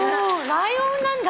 ライオンなんだ。